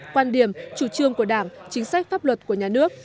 quan điểm chủ trương của đảng chính sách pháp luật của nhà nước